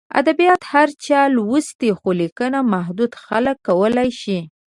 ادبیات هر چا لوستي، خو لیکنه محدود خلک کولای شي.